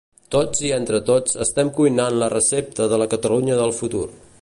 Tots i entre tots estem cuinant la recepta de la Catalunya del futur.